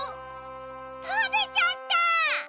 たべちゃった！